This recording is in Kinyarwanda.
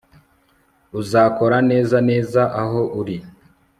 Uzakora neza neza aho uri